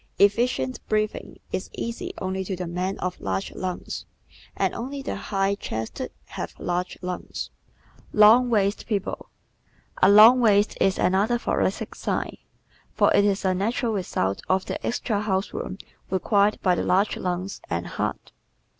Efficient breathing is easy only to the man of large lungs, and only the high chested have large lungs. Long Waisted People ¶ A long waist is another thoracic sign, for it is a natural result of the extra house room required by the large lungs and heart.